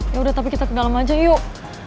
yaudah tapi kita ke dalam aja yuk